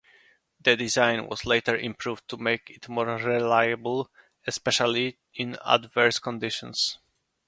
The design was later improved to make it more reliable, especially in adverse conditions.